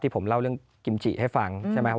ผมเล่าเรื่องกิมจิให้ฟังใช่ไหม